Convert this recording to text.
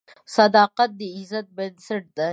صداقت د عزت بنسټ دی.